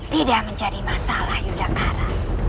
tidak menjadi masalah yudhakara